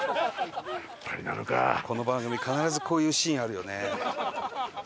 この番組必ずこういうシーンあるよね。